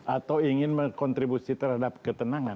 atau ingin berkontribusi terhadap ketenangan